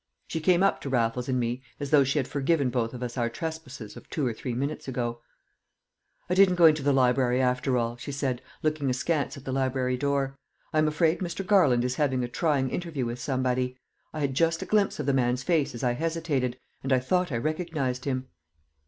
She came up to Raffles and me as though she had forgiven both of us our trespasses of two or three minutes ago. "I didn't go into the library after all," she said, looking askance at the library door. "I am afraid Mr. Garland is having a trying interview with somebody. I had just a glimpse of the man's face as I hesitated, and I thought I recognised him."